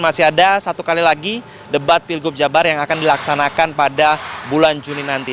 masih ada satu kali lagi debat pilgub jabar yang akan dilaksanakan pada bulan juni nanti